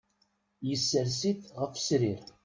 Yessers-itt ɣef srir.